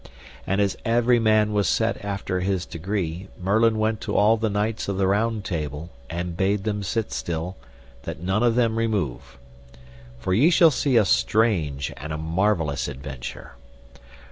And as every man was set after his degree, Merlin went to all the knights of the Round Table, and bade them sit still, that none of them remove. For ye shall see a strange and a marvellous adventure.